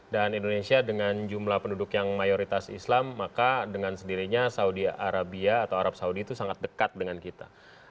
dan indonesia dengan jumlah penduduk yang mayoritas islam maka dengan sendirinya saudi arabia atau arab saudi itu sangat dekat dengan kita